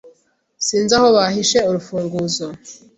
Sinzi aho bahishe urufunguzo.